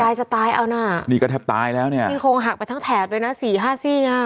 จะตายเอาน่ะนี่ก็แทบตายแล้วเนี่ยซี่โคงหักไปทั้งแถบเลยนะสี่ห้าซี่อ่ะ